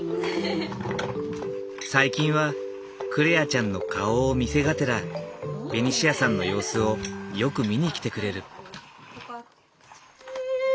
最近は來愛ちゃんの顔を見せがてらベニシアさんの様子をよく見に来てくれる。